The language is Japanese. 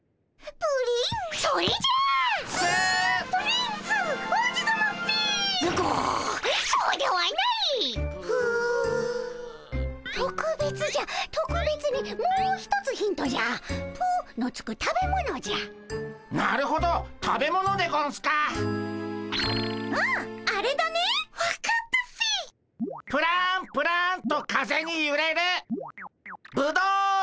プランプランと風にゆれるブドウン。